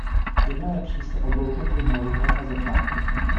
Těm je lepší se obloukem vyhnout hned na začátku.